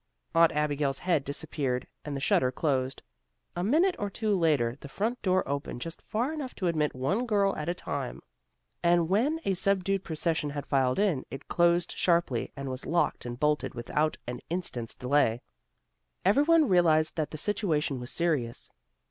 Aunt Abigail's head disappeared and the shutter closed. A minute or two later the front door opened just far enough to admit one girl at a time, and when a subdued procession had filed in, it closed sharply, and was locked and bolted without an instant's delay. Every one realized that the situation was serious.